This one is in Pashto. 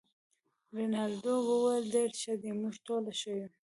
رینالډي وویل: ډیر ښه دي، موږ ټوله ښه یو.